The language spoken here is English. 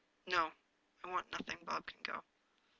" No, I want nothing. Bob can go."